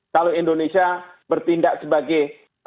kalau indonesia bertindak sebagai